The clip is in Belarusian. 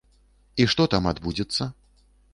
І што там адбудзецца?